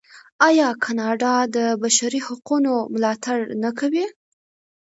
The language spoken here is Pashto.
آیا کاناډا د بشري حقونو ملاتړ نه کوي؟